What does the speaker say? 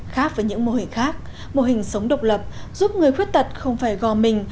khác với những mô hình khác mô hình sống độc lập giúp người khuyết tật không phải gò mình